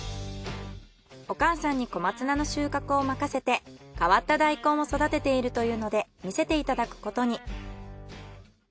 お母さんに小松菜の収穫を任せて変わった大根を育てているというので見せていただくことに。